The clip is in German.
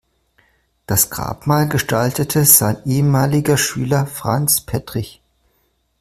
Das Grabmal gestaltete sein ehemaliger Schüler Franz Pettrich.